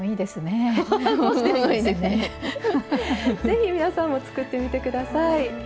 是非皆さんも作ってみて下さい。